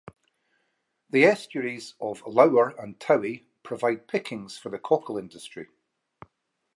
The estuaries of the Loughor and Towy provide pickings for the cockle industry.